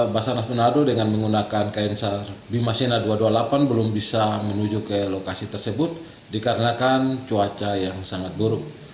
basarnas manado dengan menggunakan kn sar bimasena dua ratus dua puluh delapan belum bisa menuju ke lokasi tersebut dikarenakan cuaca yang sangat buruk